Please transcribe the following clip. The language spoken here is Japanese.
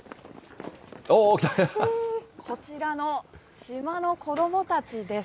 こちらの島の子どもたちです。